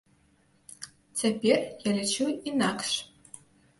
Цяпер я лічу інакш.